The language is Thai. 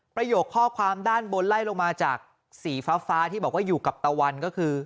ประโยคข้อความด้านบนไล่ลงมาจากสีฟ้าที่บอกว่าอยู่กับตะวันก็คือ